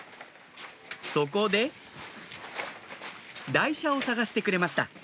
そこで台車を探してくれました